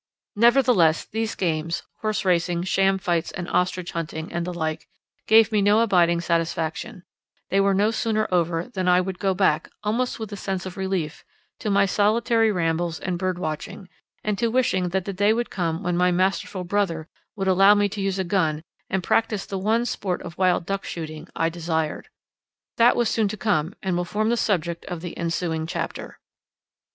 Nevertheless, these games horse racing, sham fights, and ostrich hunting, and the like gave me no abiding satisfaction; they were no sooner over than I would go back, almost with a sense of relief, to my solitary rambles and bird watching, and to wishing that the day would come when my masterful brother would allow me to use a gun and practise the one sport of wild duck shooting I desired. That was soon to come, and will form the subject of the ensuing chapter.